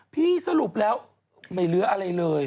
สรุปแล้วไม่เหลืออะไรเลย